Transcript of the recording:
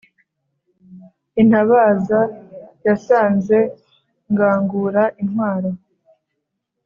Intabaza yasanze ngangura intwaro